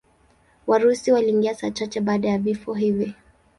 Warusi waliingia saa chache baada ya vifo hivi.